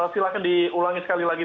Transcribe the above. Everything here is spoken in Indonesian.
silahkan diulangi sekali lagi